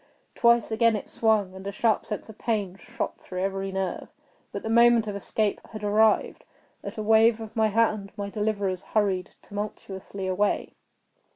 Twice again it swung, and a sharp sense of pain shot through every nerve. But the moment of escape had arrived. At a wave of my hand my deliverers hurried tumultuously away.